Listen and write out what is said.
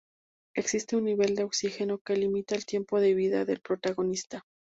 Existe un nivel de oxígeno que limita el tiempo de vida del protagonista.